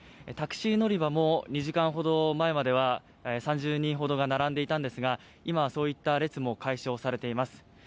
タクシー乗り場も２時間ほど前までは３０人ほどが並んでいたんですが今はそういった列も解消されています。